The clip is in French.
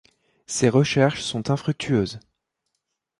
Ces recherches sont infructueuses.